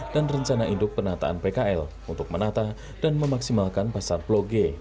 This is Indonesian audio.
dan rencana induk penataan pkl untuk menata dan memaksimalkan pasar ploge